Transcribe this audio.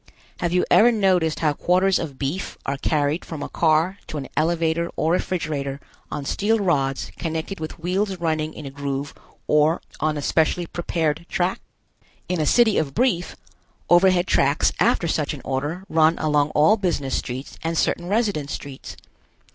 Have you ever noticed how quarters of beef are carried from a car to an elevator or refrigerator on steel rods connected with wheels running in a groove or on a specially prepared track? In a city of Brief, overhead tracks after such an order run along all business streets and certain residence streets.